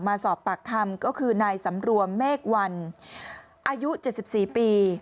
มาสอบปากคำก็คือนายสำรวมเมฆวันอายุ๗๔ปี